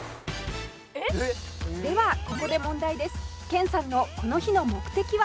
「ではここで問題です」